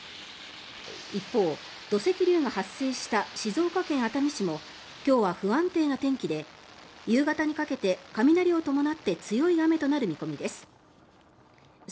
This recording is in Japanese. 一方、土石流が発生した静岡県熱海市も今日は不安定な天気で夕方にかけて雷を伴って強い雨となる見込みです。